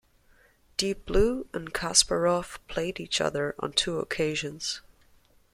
Deep Blue and Kasparov played each other on two occasions.